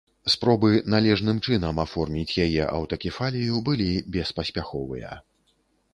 Спробы належным чынам аформіць яе аўтакефалію былі беспаспяховыя.